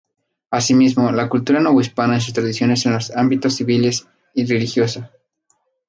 Asimismo, la cultura novohispana y sus tradiciones en los ámbitos civil y religioso.